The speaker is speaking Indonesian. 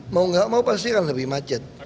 mau nggak mau pasti akan lebih macet